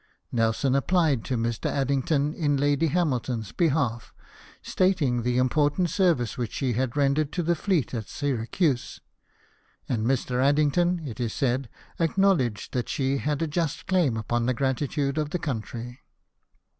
Nelson applied to Mr. Addington in Lady Hamilton's behalf, stating the im portant service which she had rendered to the fleet at Syracuse ; and Mr. Addington, it is said, acknowledged that she had a just claim upon the gratitude of the country.